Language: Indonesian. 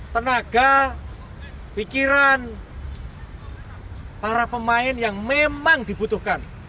tenaga pikiran para pemain yang memang dibutuhkan